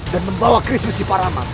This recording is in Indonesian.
dan membawa chris di sipar aman